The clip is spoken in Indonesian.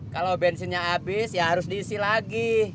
kalau bensinnya habis ya harus diisi lagi